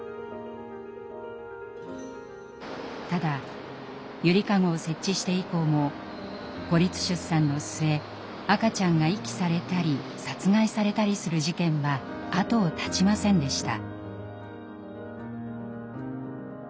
ただ「ゆりかご」を設置して以降も孤立出産の末赤ちゃんが遺棄されたり殺害されたりする事件は後を絶ちませんでした。